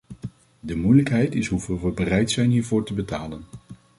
De moeilijkheid is hoeveel we bereid zijn hiervoor te betalen.